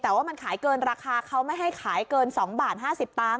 แต่ว่ามันขายเกินราคาเขาไม่ให้ขายเกิน๒บาท๕๐ตังค์